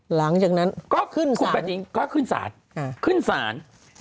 หลังจากนั้นขุดแบบนี้ก็ขึ้นศาล